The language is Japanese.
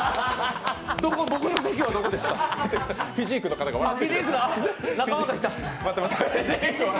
僕の席はどこですか？